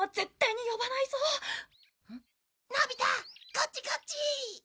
こっちこっち。